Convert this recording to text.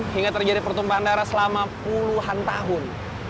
hingga terjadi pertumpahan darah selama puluhan tahun